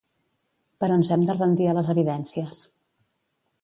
Però ens hem de rendir a les evidències.